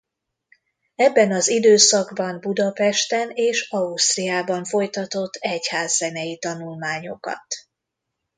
Ebben az időszakban Budapesten és Ausztriában folytatott egyházzenei tanulmányokat.